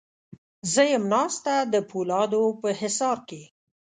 زه یم ناسته د پولادو په حصار کې